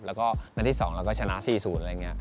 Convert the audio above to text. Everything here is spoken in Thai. แล้วก็นัดที่๒เราก็ชนะ๔๐อะไรอย่างนี้